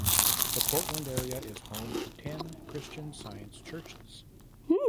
The Portland area is home to ten Christian Science churches.